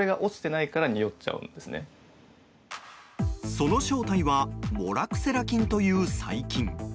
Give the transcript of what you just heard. その正体はモラクセラ菌という細菌。